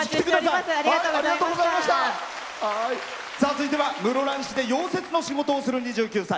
続いては室蘭市で溶接の仕事をする２９歳。